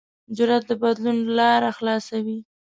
جرأت د بدلون لاره خلاصوي.